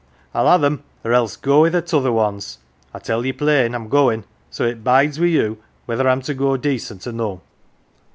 I'll ha 1 them, or else go i' th' t'other ones. I tell ye plain I'm goin', so it bides wi' you whether I'm to go decent or no."